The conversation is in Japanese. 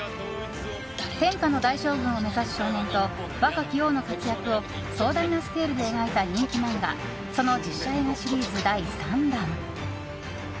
天下の大将軍を目指す少年と若き王の活躍を壮大なスケールで描いた人気漫画その実写映画シリーズ第３弾。